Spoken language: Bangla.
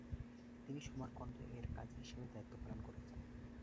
তিনি সমরকন্দ-এর কাজি হিসেবে দায়িত্ব পালন করেছেন।